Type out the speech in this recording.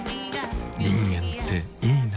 人間っていいナ。